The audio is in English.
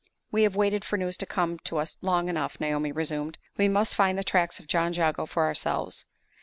"We have waited for news to come to us long enough," Naomi resumed. "We must find the tracks of John Jago for ourselves.